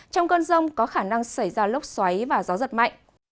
trong cơn rông có khả năng xảy ra lốc xoáy và gió giật mạnh